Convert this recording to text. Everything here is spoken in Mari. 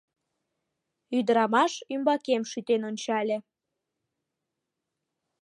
Ӱдырамаш ӱмбакем шӱтен ончале: